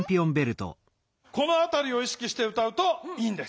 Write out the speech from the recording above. このあたりを意識して歌うといいんです。